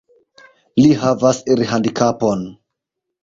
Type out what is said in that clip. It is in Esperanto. Li havas irhandikapon.